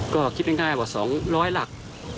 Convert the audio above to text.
ก็คิดง่ายว่า๒๐๐หลัก